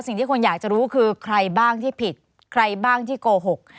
สิ่งที่คนอยากจะรู้คือใครบ้างที่ผิดใครบ้างที่โกหก